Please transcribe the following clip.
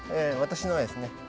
私のですね